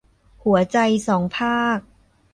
หัวใจสองภาค